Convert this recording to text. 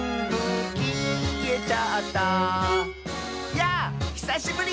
「やぁひさしぶり！」